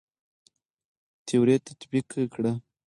تيوري تطبيق کړه.